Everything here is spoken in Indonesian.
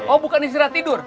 oh bukan istirahat tidur